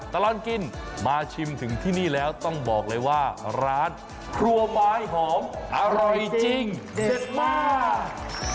ตลอดกินมาชิมถึงที่นี่แล้วต้องบอกเลยว่าร้านครัวไม้หอมอร่อยจริงเด็ดมาก